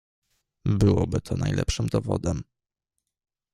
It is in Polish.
"Byłoby to najlepszym dowodem."